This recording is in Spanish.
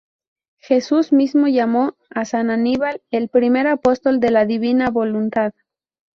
Jesús mismo llamo a san Aníbal "el primer apóstol de la Divina Voluntad".